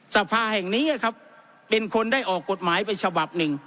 สภาแห่งนี้ครับเป็นคนได้ออกกฎหมายไปฉบับหนึ่ง